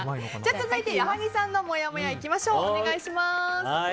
続いて矢作さんのもやもやお願いします。